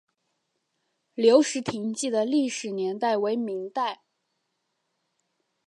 留石亭记的历史年代为明代。